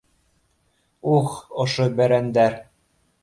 — Ух, ошо бәрәндәр!